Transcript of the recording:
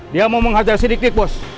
dia mau menghajar si dik dik bos